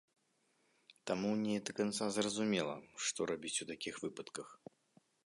Таму не да канца зразумела, што рабіць у такіх выпадках.